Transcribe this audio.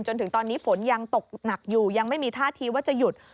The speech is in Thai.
จนถึงตอนนี้ฝนยังตกหนักอยู่ยังไม่มีท่าทีว่าจะหยุด